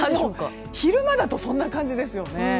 昼間だとそんな感じですよね。